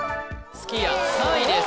すき家３位です